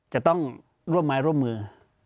จะต้องร่วมไม้ร่วมมือ